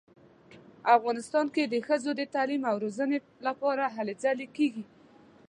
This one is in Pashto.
افغانستان کې د ښځو د تعلیم او روزنې لپاره هلې ځلې کیږي